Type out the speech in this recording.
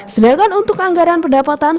sedangkan untuk anggaran pendapatan